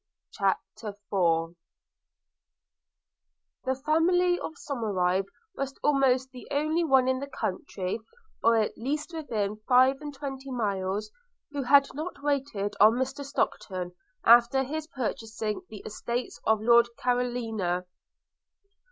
CHAPTER IV THE family of Somerive was almost the only one in the country, or at least within five and twenty miles, who had not waited on Mr Stockton after his purchasing the estates of Lord Carloraine.